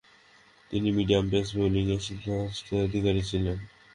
তিনি medium pace বোলিংয়ে সিদ্ধহস্তের অধিকারী ছিলেন।